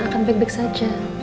akan back back saja